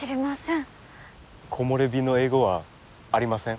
木漏れ日の英語はありません。